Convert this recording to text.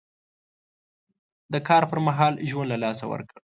د کار پر مهال ژوند له لاسه ورکړ.